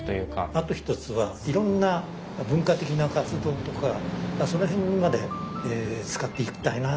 あと一つはいろんな文化的な活動とかその辺まで使っていきたいな。